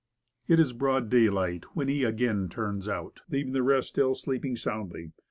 It is broad daylight when he again turns out, leav ing the rest still sleeping soundly.